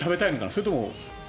それとも。